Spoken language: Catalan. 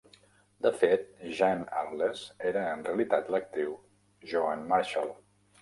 De fet, Jean Arless era en realitat l'actriu Joan Marshall.